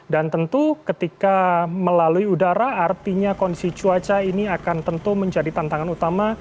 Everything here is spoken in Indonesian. dan tentu ketika melalui udara artinya kondisi cuaca ini akan tentu menjadi tantangan utama